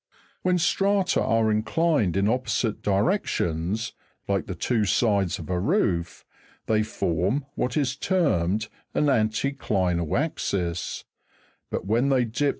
When strata are inclined in opposite directions (Jig. 261), like the two sides of a roof, they form what is termed an anteclinal axis ; but when they dip Fig.